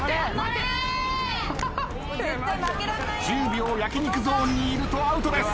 １０秒焼き肉ゾーンにいるとアウトです。